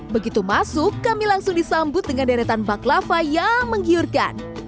begitu masuk kami langsung disambut dengan deretan baklava yang menggiurkan